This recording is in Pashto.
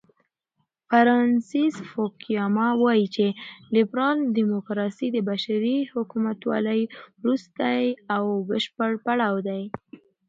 فرانسیس فوکویاما وایي چې لیبرال دیموکراسي د بشري حکومتولۍ وروستی او بشپړ پړاو دی.